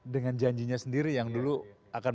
dengan janjinya sendiri yang dulu akan